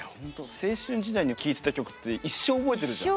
青春時代に聴いてた曲って一生覚えてるじゃん。